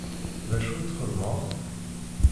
D acu i txeddmeḍ?